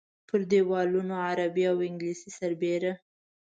پر دیوالونو عربي او انګلیسي سربېره.